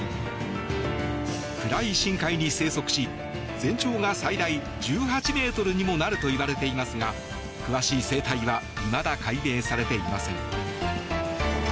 暗い深海に生息し全長が最大１８ｍにもなるといわれていますが詳しい生態はいまだ解明されていません。